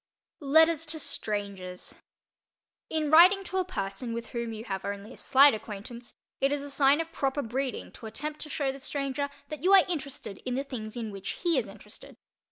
LETTERS TO STRANGERS In writing to a person with whom you have only a slight acquaintance, it is a sign of proper breeding to attempt to show the stranger that you are interested in the things in which he is interested.